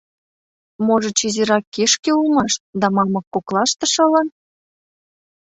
Можыч, изирак кишке улмаш да мамык коклаште шылын?